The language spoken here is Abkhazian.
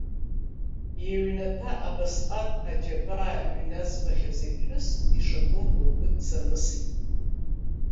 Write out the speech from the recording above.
Иҩнаҭа абасҟак аџьабаа ҩназбахьаз иԥҳәыс ишакәым лгәы дзамысит.